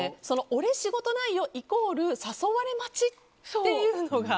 俺、仕事ないよイコール誘われ待ちというのが。